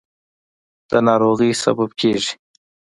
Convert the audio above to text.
د ناروغۍ سبب کېږي.